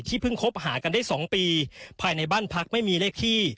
เพิ่งคบหากันได้๒ปีภายในบ้านพักไม่มีเลขที่